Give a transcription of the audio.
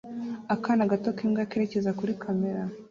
Akana gato k'imbwa kerekeza kuri kamera